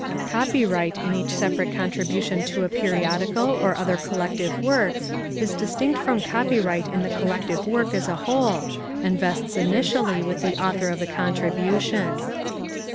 Copyright in each separate contribution to a periodical or other collective work is distinct from copyright in the collective work as a whole and vests initially with the author of the contribution.